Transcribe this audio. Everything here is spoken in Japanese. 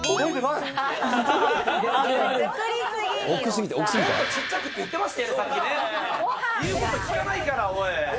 いうこと聞かないから。